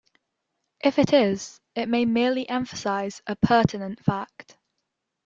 If it is, it may merely emphasize a pertinent fact.